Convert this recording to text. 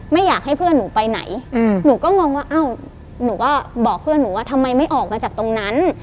ไม่อยากให้เพื่อนหนูไปไหนหนูก็งงว่าอ้าวหนูก็บอกเพื่อนหนูว่าทำไมไม่ออกมาจากตรงนั้น